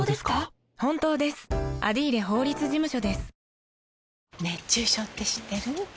ニトリ熱中症って知ってる？